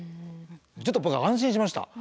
ちょっと安心しました。